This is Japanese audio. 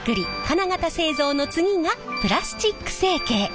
金型製造の次がプラスチック成形。